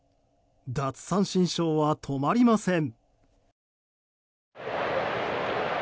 奪三振ショーは止まりません。